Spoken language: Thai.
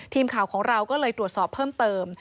ทีมข่าวของเราก็เลยตรวจสอบเพิ่มเติม